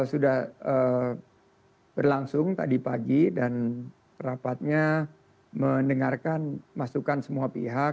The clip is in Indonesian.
sudah berlangsung tadi pagi dan rapatnya mendengarkan masukan semua pihak